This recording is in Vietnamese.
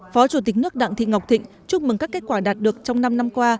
phó chủ tịch nước đặng thị ngọc thịnh chúc mừng các kết quả đạt được trong năm năm qua